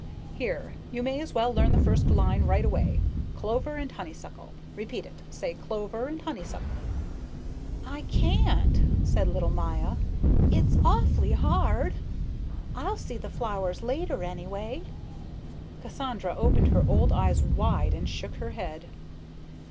Here, you may as well learn the first line right away clover and honeysuckle. Repeat it. Say 'clover and honeysuckle.'" "I can't," said little Maya. "It's awfully hard. I'll see the flowers later anyway." Cassandra opened her old eyes wide and shook her head.